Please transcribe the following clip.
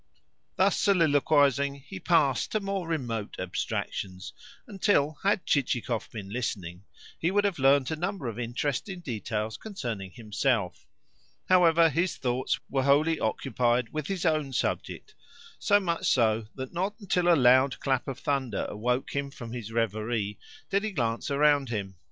Thus soliloquising, he passed to more remote abstractions; until, had Chichikov been listening, he would have learnt a number of interesting details concerning himself. However, his thoughts were wholly occupied with his own subject, so much so that not until a loud clap of thunder awoke him from his reverie did he glance around him.